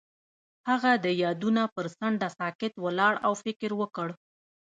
هغه د یادونه پر څنډه ساکت ولاړ او فکر وکړ.